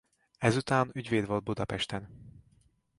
Ezután ügyvéd volt Budapesten.